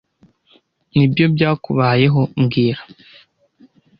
Nibyo byakubayeho mbwira